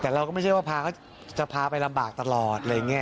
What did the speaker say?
แต่เราไม่ใช่ว่าพาเขาไปลำบากตลอด